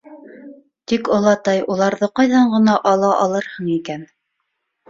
Тик, олатай, уларҙы ҡайҙан ғына ала алырһың икән?